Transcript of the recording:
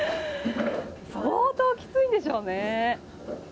相当きついんでしょうね。